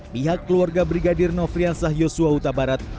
pihak keluarga brigadir nofriansah yosua huta barat